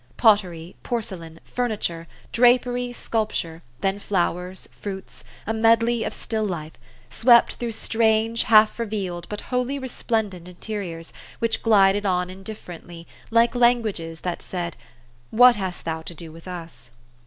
Pottery, porcelain, furniture, drapery, sculpture, then flowers, fruits, a medley of still life, swept through strange, half revealed, but wholly resplendent interiors, which glided on in differently, like languages that said, '' What hast thou to do with us?